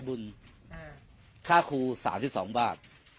ไม่น่าจะใช่